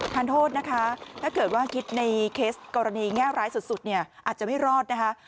ทานโทษนะคะถ้าเกิดว่าคิดในเคสกรณีแง่ร้ายสุดเนี่ยอาจจะไม่รอดนะคะ